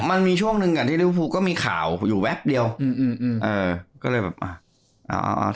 มันมีช่วงนึงอะที่ริวฮูก็มีข่าวอยู่แว๊บเดียวเออก็เลยแบบเอาแต่ก็ไม่เคย